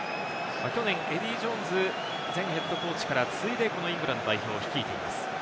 去年、エディー・ジョーンズ前ＨＣから継いで、このイングランド代表を率いています。